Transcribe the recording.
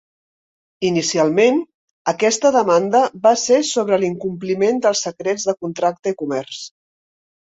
Inicialment, aquesta demanda va ser sobre l'incompliment dels secrets de contracte i comerç.